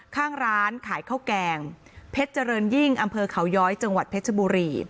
ข้างร้านขายข้าวแกงเพชรเจริญยิ่งอำเภอเขาย้อยจังหวัดเพชรบุรี